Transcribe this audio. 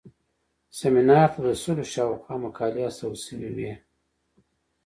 سیمینار ته د سلو شاوخوا مقالې استول شوې وې.